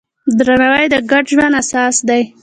درناوی د ګډ ژوند اساس دی.